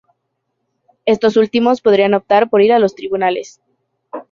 Estos últimos podían optar por ir a los tribunales.